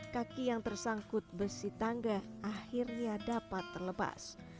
kaki yang tersangkut besi tangga akhirnya dapat terlepas